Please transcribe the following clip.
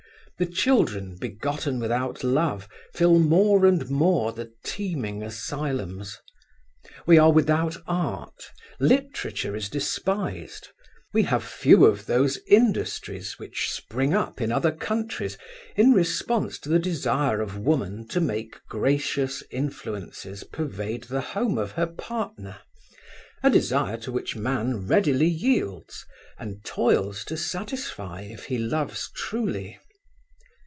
The children begotten without love fill more and more the teeming asylums. We are without art; literature is despised; we have few of those industries which spring up in other countries in response to the desire of woman to make gracious influences pervade the home of her partner, a desire to which man readily yields, and toils to satisfy if he loves truly.